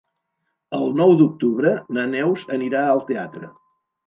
El nou d'octubre na Neus anirà al teatre.